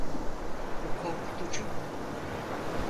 Bu korkutucu.